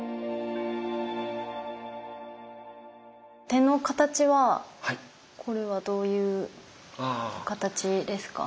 手の形はこれはどういう形ですか？